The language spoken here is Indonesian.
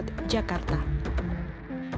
dan juga mencari penyakit yang terlalu besar